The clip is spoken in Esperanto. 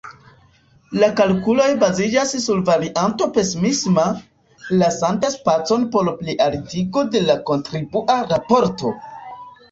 La kalkuloj baziĝas sur varianto pesimisma, lasante spacon por plialtigo de la kontribua raporto.